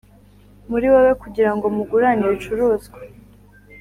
Muri wowe kugira ngo mugurane ibicuruzwa